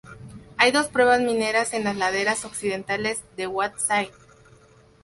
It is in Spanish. Hay dos pruebas mineras en las laderas occidentales de Whiteside.